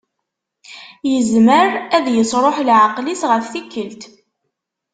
Yezmer ad isruḥ leɛqel-is ɣef tikkelt.